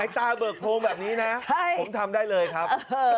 ตาเบิกโพรงแบบนี้นะผมทำได้เลยครับ